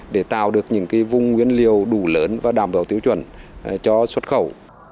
để tạo được những vùng nguyên liệu đủ lớn và đảm bảo tiêu chuẩn cho xuất khẩu